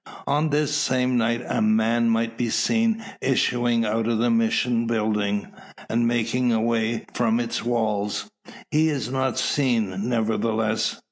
On this same night, a man might be seen issuing out of the mission building, and making away from its walls. He is not seen, nevertheless.